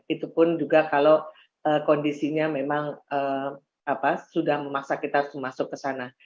itu pun juga kalau kondisinya memang sudah memaksa kita harus masuk ke sana